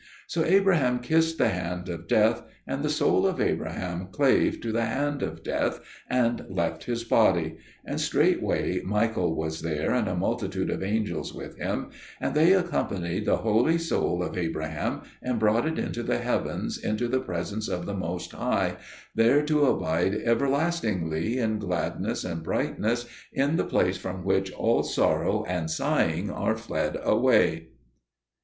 So Abraham kissed the hand of Death, and the soul of Abraham clave to the hand of Death and left his body; and straightway Michael was there and a multitude of angels with him, and they accompanied the holy soul of Abraham and brought it into the heavens into the presence of the Most High, there to abide everlastingly in gladness and brightness in the place from which all sorrow and sighing are fled away.